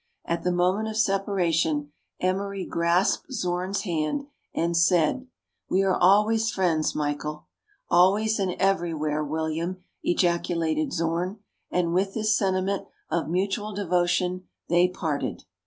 At the moment of separation Emery grasped Zorn's hand, and said, —" We are always friends, Michael I" "Always and every where, William!" ejaculated Zorn ; and with this sentiment of mutual devotion they parted.